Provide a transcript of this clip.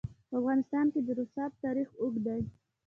په افغانستان کې د رسوب تاریخ اوږد دی.